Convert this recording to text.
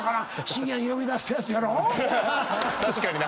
確かにな。